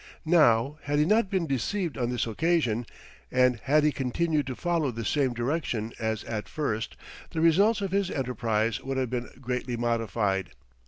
Now, had he not been deceived on this occasion, and had he continued to follow the same direction as at first, the results of his enterprise would have been greatly modified.